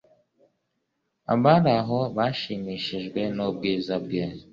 Abari aho bashimishijwe nubwiza bwe